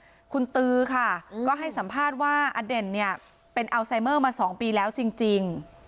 คุณตือค่ะก็ให้สัมภาษณ์ว่าอเด่นเนี่ยเป็นอัลไซเมอร์มา๒ปีแล้วจริง